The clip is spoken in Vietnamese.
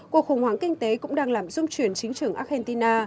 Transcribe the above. cuộc khủng hoảng kinh tế cũng đang làm dung chuyển chính trường argentina